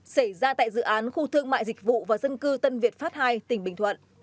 xảy ra tại dự án khu thương mại dịch vụ và dân cư tân việt pháp ii tỉnh bình thuận